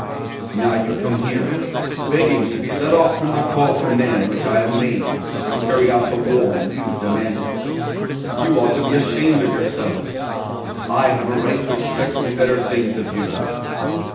"'Now you come here, begging to be let off from the call for men which I have made to carry out the war you demanded. You ought to be ashamed of yourselves. I have a right to expect better things of you!